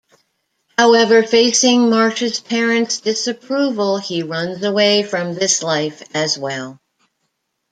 However, facing Masha's parents' disapproval, he runs away from this life as well.